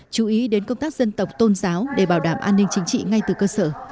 chú ý đến công tác dân tộc tôn giáo để bảo đảm an ninh chính trị ngay từ cơ sở